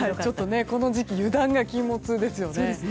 この時期油断が禁物ですよね。